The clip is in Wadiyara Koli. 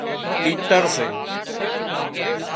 تيتر سي